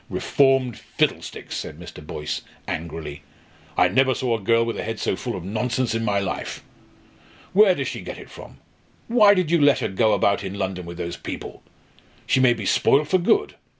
"Reformed! fiddlesticks!" said Mr. Boyce, angrily. "I never saw a girl with a head so full of nonsense in my life. Where does she get it from? Why did you let her go about in London with those people? She may be spoilt for good.